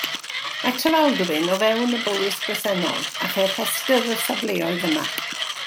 Mae Trefaldwyn o fewn y Bowys bresennol a cheir rhestr o'r safleoedd yma.